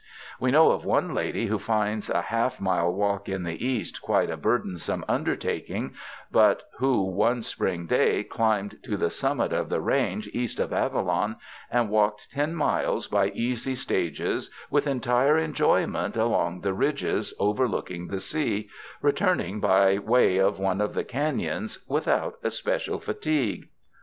We know of one lady who finds a half mile walk in the East quite a burdensome undertak ing, but who one spring day climbed to the summit of the range east of Avalon and walked ten miles by easy stages with entire enjoyment along the ridges overlooking the sea, returning by way of one of the canons, without especial fatigue.